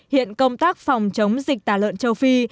hiện công tác phòng chống dịch tả lợn châu phi